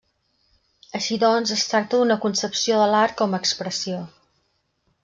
Així doncs es tracta d'una concepció de l'art com expressió.